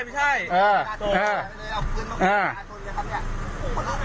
พวกเพลินออกมาน่ะ